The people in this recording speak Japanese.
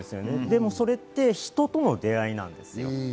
でもそれって人との出会いなんです。